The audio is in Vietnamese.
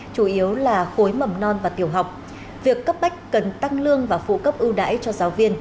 chủ yếu là khối mầm non và tiểu học việc cấp bách cần tăng lương và phụ cấp ưu đãi cho giáo viên